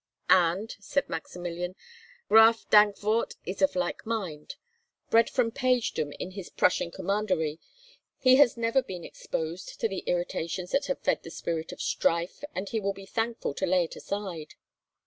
"And," said Maximilian, "Graf Dankwart is of like mind. Bred from pagedom in his Prussian commandery, he has never been exposed to the irritations that have fed the spirit of strife, and he will be thankful to lay it aside.